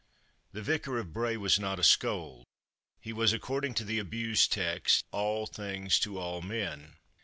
The Vicar of Bray was not a scold. He was, according to the abused text, all things to all men.